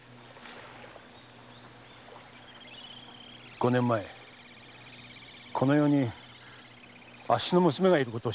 五年前この世にあっしの娘がいることを知りました。